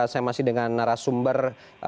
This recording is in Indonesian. saya masih dengan narasumber